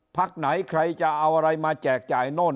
พักไหนใครจะเอาอะไรมาแจกจ่ายโน่น